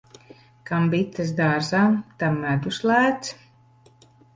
Kam bites dārzā, tam medus lēts.